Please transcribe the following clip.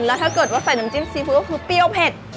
แล้วถ้าเกิดว่าใส่น้ำจิ้มซีฟู้ดก็คือเปรี้ยวเผ็ด